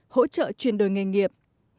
bốn hỗ trợ truyền đổi nghề nghiệp